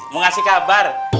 mau ngasih kabar